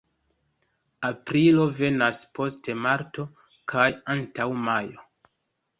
Aprilo venas post marto kaj antaŭ majo.